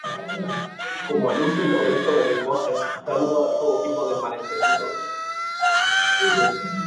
Cómo el uso incorrecto del lenguaje da lugar a todo tipo de malentendidos.